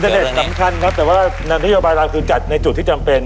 น้ำอินเทอร์เน็ตสำคัญครับแต่ว่าน้ำที่โยบายราคือจัดในจุดที่จำเป็น